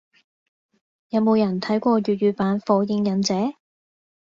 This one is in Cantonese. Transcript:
有冇人睇過粵語版火影忍者？